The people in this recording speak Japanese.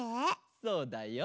そうだよ。